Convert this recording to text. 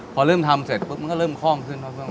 พอเริ่มทำเสร็จมันก็เริ่มค่อมขึ้น